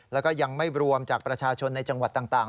แล้วก็ยังไม่รวมจากประชาชนในจังหวัดต่าง